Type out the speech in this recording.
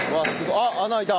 あっ穴開いた！